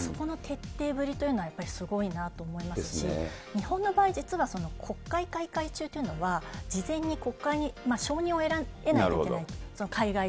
そこの徹底ぶりというのはやっぱりすごいなと思いますし、日本の場合、実は国会開会中という、事前に国会に承認を得ないといけないと。